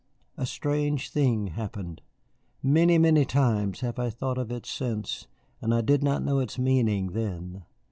A strange thing happened. Many, many times have I thought of it since, and I did not know its meaning then.